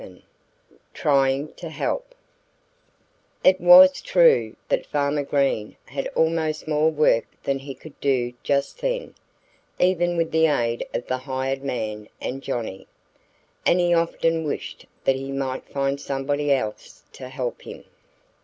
VII TRYING TO HELP IT was true that Farmer Green had almost more work than he could do just then, even with the aid of the hired man and Johnnie. And he often wished that he might find somebody else to help him.